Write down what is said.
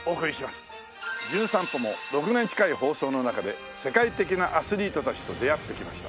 『じゅん散歩』も６年近い放送の中で世界的なアスリートたちと出会ってきました。